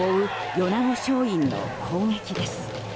米子松蔭の攻撃です。